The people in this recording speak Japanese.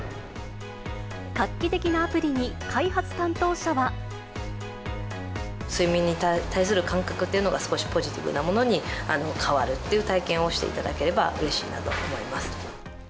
画期的なアプリに、開発担当睡眠に対する感覚というのが、少しポジティブなものに変わるっていう体験をしていただければうれしいなと思います。